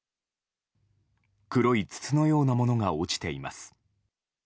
黒い筒のようなものが落ちています。